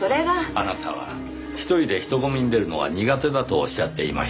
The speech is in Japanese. あなたは１人で人混みに出るのは苦手だとおっしゃっていました。